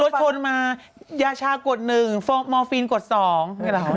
รถทนมายาชากกดหนึ่งมอร์ฟินกดสอง